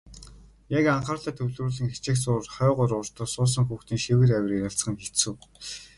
Яг анхаарлаа төвлөрүүлэн хичээх зуур хойгуур урдуур суусан хүүхдийн шивэр авир ярилцах нь хэцүү.